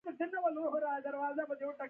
و هغه یې روغ رمټ له خولې وغورځاوه.